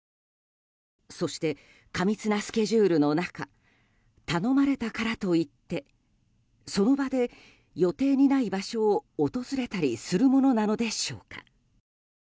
そして、過密なスケジュールの中頼まれたからといってその場で予定にない場所を訪れたりするものなのでしょうか。